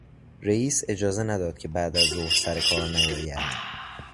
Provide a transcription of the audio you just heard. رئیس اجازه نداد که بعد از ظهر سرکار نیاید.